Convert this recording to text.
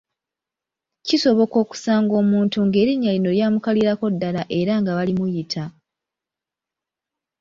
Kisoboka okusanga omuntu ng’erinnya lino lyamukalirako ddala era nga balimuyita.